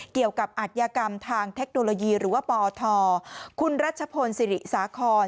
เกี่ยวกับอัธยกรรมทางเทคโนโลยีหรือว่าปทคุณรัชพลศิริสาคอน